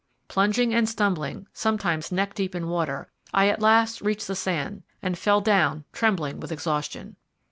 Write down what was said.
Plunging and stumbling, sometimes neck deep in water, I at last reached the sands and fell down, trembling with exhaustion.